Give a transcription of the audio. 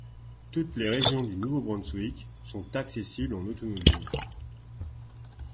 Toutes les régions du Nouveau-Brunswick sont accessibles en automobile.